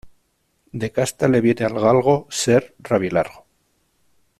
De casta le viene al galgo ser rabilargo.